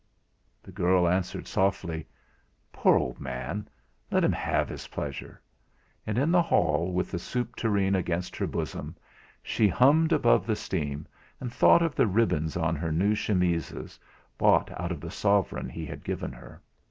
The girl answered softly: "Poor old man, let um have his pleasure." And, in the hall, with the soup tureen against her bosom, she hummed above the steam, and thought of the ribbons on her new chemises, bought out of the sovereign he had given her.